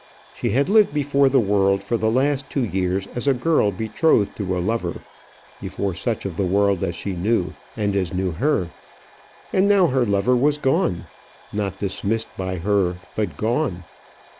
She had lived before the world for the last two years as a girl betrothed to a lover before such of the world as she knew and as knew her; and now her lover was gone; not dismissed by her, but gone!